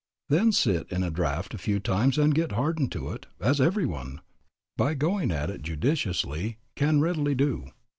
Then sit in a draft a few times and get hardened to it, as every one, by going at it judiciously, can readily do.